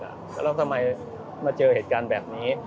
แล้วทำไมมาเจอเหตุการณ์แบบนี้